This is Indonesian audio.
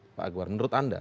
apa agar menurut anda